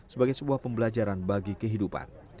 sebagai sebuah pembelajaran bagi kehidupan